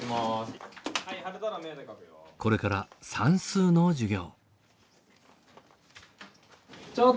これから算数の授業。